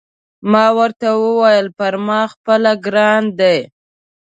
ما ورته وویل: پر ما خپله ګران دی.